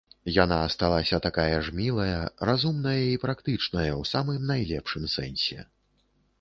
Яна асталася такая ж мілая, разумная і практычная ў самым найлепшым сэнсе.